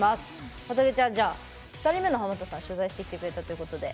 わたげちゃん２人目のハマったさん取材してきてくれたということで。